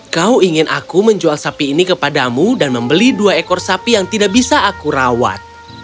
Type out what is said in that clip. kau ingin aku menjual sapi ini kepadamu dan membeli dua ekor sapi yang tidak bisa aku rawat